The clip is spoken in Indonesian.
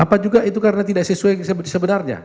apa juga itu karena tidak sesuai sebenarnya